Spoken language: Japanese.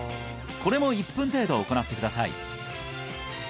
これも１分程度行ってください